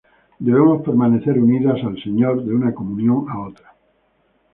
Debemos permanecer unidas al Señor de una Comunión a otra.